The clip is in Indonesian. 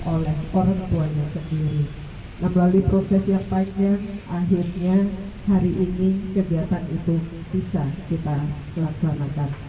oleh orang tuanya sendiri melalui proses yang panjang akhirnya hari ini kegiatan itu bisa kita laksanakan